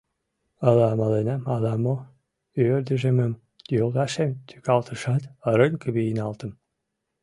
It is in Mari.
Ала маленам, ала мо, ӧрдыжемым йолташем тӱкалтышат, рыҥ вийналтым.